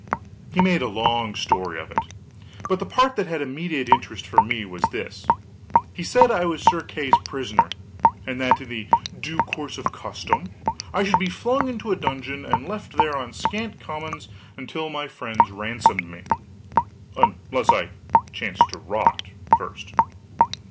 He made a long story of it; but the part that had immediate interest for me was this: He said I was Sir Kay's prisoner, and that in the due course of custom I would be flung into a dungeon and left there on scant commons until my friends ransomed me unless I chanced to rot, first.